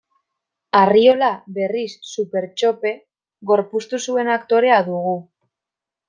Arriola, berriz, Supertxope gorpuztu zuen aktorea dugu.